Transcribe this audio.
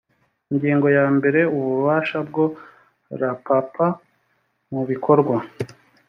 ingingo yambere ububasha bwa rppa mu bikorwa